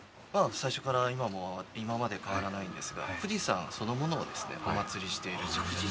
最初から今も今まで変わらないんですが富士山そのものをですねお祭りしている。